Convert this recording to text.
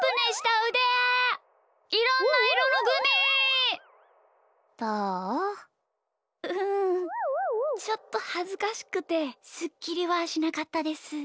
うんちょっとはずかしくてスッキリはしなかったです。